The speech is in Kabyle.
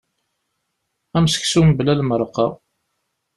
Am seksu mebla lmerqa.